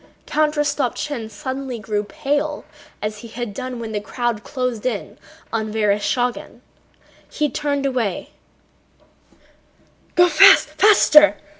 Count Rostopchín suddenly grew pale as he had done when the crowd closed in on Vereshchágin. He turned away.